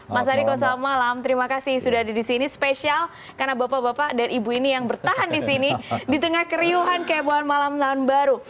mas ariko selamat malam terima kasih sudah ada di sini spesial karena bapak bapak dan ibu ini yang bertahan di sini di tengah keriuhan kebohan malam tahun baru